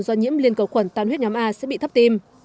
do nhiễm liên cầu khuẩn tan huyết nhóm a sẽ bị thấp tim